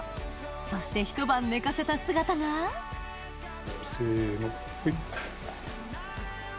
そして一晩寝かせた姿がせのはい。